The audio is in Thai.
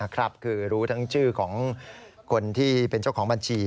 คือรู้ทั้งชื่อของคนที่เป็นเจ้าของบัญชี